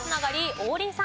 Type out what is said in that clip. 王林さん。